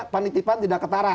panitipan tidak ketara